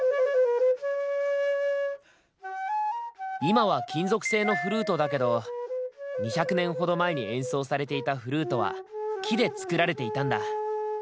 今は金属製のフルートだけど２００年ほど前に演奏されていたフルートは木で作られていたんだ。